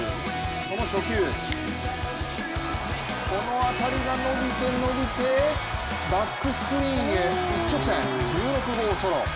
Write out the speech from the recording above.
その初球、この当たりが伸びて伸びてバックスクリーンへ一直線１６号ソロ。